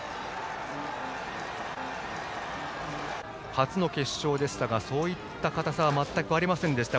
初の決勝でしたがそういった硬さは全くありませんでした。